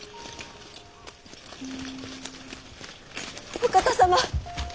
お方様！